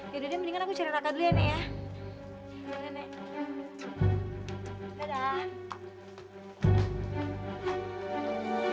yaudah deh mendingan aku cari raka dulu ya nek ya